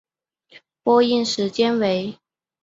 播映时间为。